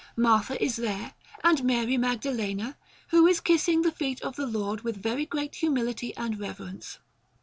Martha is there, with Mary Magdalene, who is kissing the feet of the Lord with very great humility and reverence.